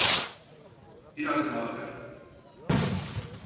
Biraz daha ver.